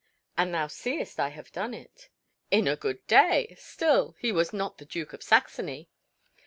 And thou seest I have done it." "In a good day! Still, he was not the Duke of Saxony."